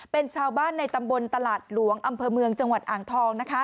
เป็นชาวบ้านในตำบลตลาดหลวงอำเภอเมืองจังหวัดอ่างทองนะคะ